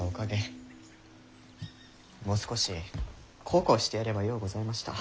もう少し孝行してやればようございました。